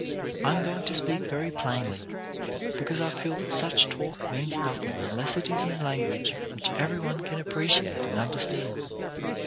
I am going to speak very plainly, because I feel that such talk means nothing unless it is in lan guage which every one can appreciate and under stand.